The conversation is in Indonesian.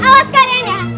awas kalian ya